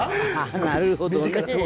なるほどね。